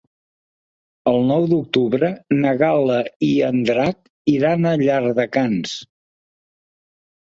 El nou d'octubre na Gal·la i en Drac iran a Llardecans.